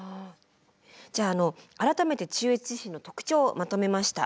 じゃあ改めて中越地震の特徴をまとめました。